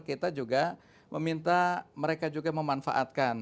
kita juga meminta mereka juga memanfaatkan